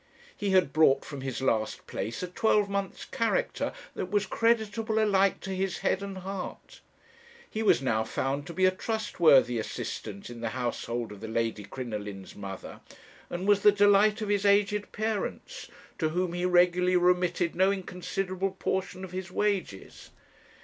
He had brought from his last place a twelvemonth's character that was creditable alike to his head and heart; he was now found to be a trustworthy assistant in the household of the Lady Crinoline's mother, and was the delight of his aged parents, to whom he regularly remitted no inconsiderable portion of his wages.